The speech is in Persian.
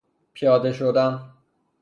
پیاده شدن